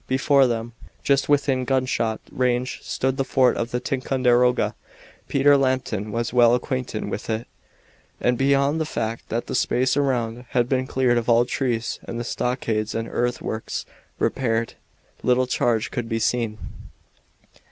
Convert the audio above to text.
Before them, just within gunshot range, stood the fort of Ticonderoga. Peter Lambton was well acquainted with it, and beyond the fact that the space around had been cleared of all trees and the stockades and earthworks repaired, little change could be seen.